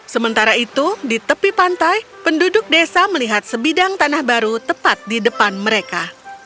sementara itu di tepi pantai penduduk desa melihat sebidang tanah baru tepat di depan mereka